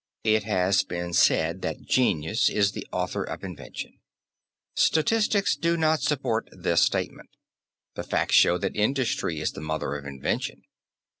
It has been said that genius is the author of invention. Statistics do not support this statement. The facts show that industry is the mother of invention.